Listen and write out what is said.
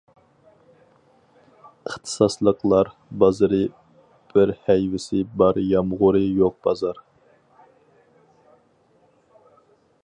ئىختىساسلىقلار بازىرى بىر ھەيۋىسى بار يامغۇرى يوق بازار.